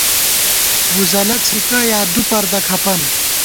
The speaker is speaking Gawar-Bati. ووزَلہ څِھکہ یا دُو پردَہ کھپَن